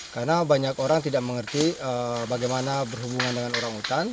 karena banyak orang tidak mengerti bagaimana berhubungan dengan orang hutan